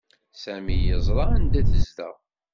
Sami yeẓra anda i tezdeɣ.